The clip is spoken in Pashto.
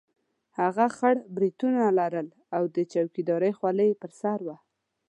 هغه خړ برېتونه لرل او د چوکیدارۍ خولۍ یې پر سر وه.